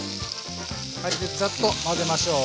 でざっと混ぜましょう。